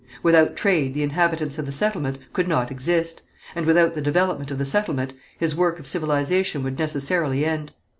Without trade the inhabitants of the settlement could not exist, and without the development of the settlement, his work of civilization would necessarily end.